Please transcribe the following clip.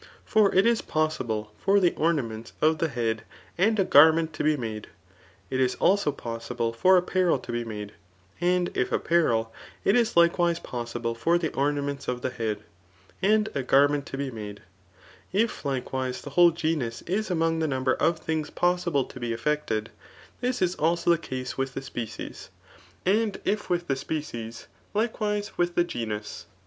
For if it is possible for the ornaments of the head^ and a garment to be made, it is also possible for ajqpard to be made ; and if apparel, it is likewise possible for the ornaments of the head, and a garment to be made* If, likewise, the whole genus is among the number of things possible to be effected, this is also the case with the species ; and if with the species, likewise with the genus.